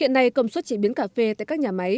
hiện nay công suất chế biến cà phê tại các nhà máy